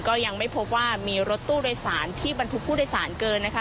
ก็ยังไม่พบว่ามีรถตู้โดยสารที่บรรทุกผู้โดยสารเกินนะคะ